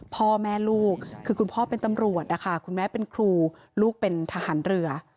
พ่อแม่ลูกคือคุณพ่อเป็นตำรวจนะคะคุณแม่เป็นครูลูกเป็นทหารเรือ